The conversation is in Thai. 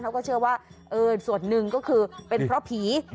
เขาก็เชื่อว่าส่วนหนึ่งก็คือเป็นเพราะผี